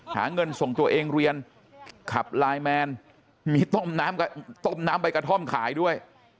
หาเงินส่งตัวเองเรียนขับไลน์แมนมีต้มน้ำต้มน้ำใบกระท่อมขายด้วย